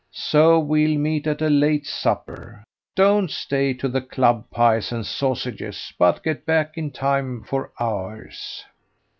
So we'll meet at a late supper; don't stay to the club pies and sausages, but get back in time for ours.